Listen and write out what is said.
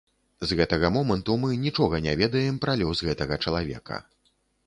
З гэтага моманту мы нічога не ведаем пра лёс гэтага чалавека.